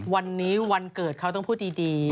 วันนี้วันเกิดเขาต้องพูดดี